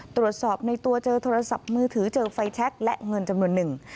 ตรวจสอบในตัวเจอโทรศัพท์มือถือเจอไฟแชคและเงินจำนวนหนึ่ง